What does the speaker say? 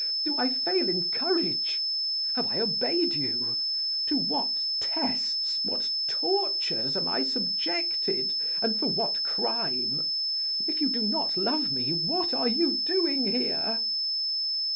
Do I fail in courage? Have I obeyed you? To what tests, what tortures am I subjected, and for what crime? If you do not love me, what are you doing here?"